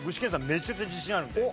めちゃくちゃ自信あるみたいよ。